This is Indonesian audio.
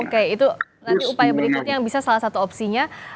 oke itu nanti upaya berikutnya yang bisa salah satu opsinya